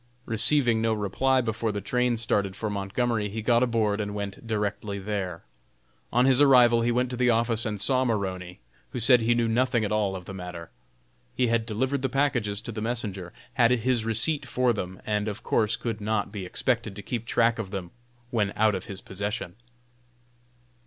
Receiving no reply before the train started for Montgomery, he got aboard and went directly there. On his arrival he went to the office and saw Maroney, who said he knew nothing at all of the matter. He had delivered the packages to the messenger, had his receipt for them, and of course could not be expected to keep track of them when out of his possession.